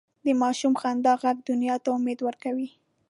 د ماشوم خندا ږغ دنیا ته امید ورکوي.